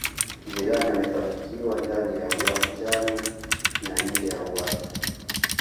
Zidane amefanikiwa ndani ya uwanjani na nje ya uwanja